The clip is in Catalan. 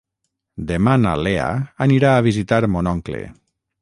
Demà na Lea anirà a visitar mon oncle.